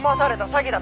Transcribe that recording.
詐欺だ！